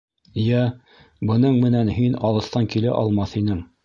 — Йә, бының менән һин алыҫтан килә алмаҫ инең...